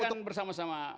dan akan bersama sama